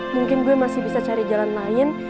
mungkin gue masih bisa cari jalan lain